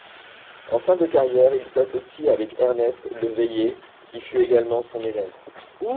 En fin de carrière, il s´associe avec Ernest Leveillé, qui fut également son élève.